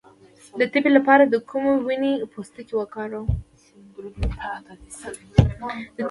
د تبې لپاره د کومې ونې پوستکی وکاروم؟